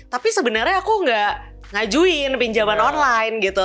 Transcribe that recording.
tapi sebenarnya aku gak ngajuin pinjaman online gitu